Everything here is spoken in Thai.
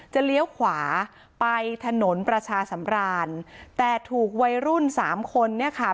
เลี้ยวขวาไปถนนประชาสำรานแต่ถูกวัยรุ่นสามคนเนี่ยค่ะ